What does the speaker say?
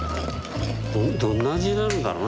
どんな味になるんだろうね？